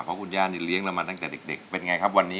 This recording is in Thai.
เพราะคุณย่านี่เลี้ยงมามาตั้งแต่เด็กใด